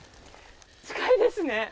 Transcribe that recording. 近いですね。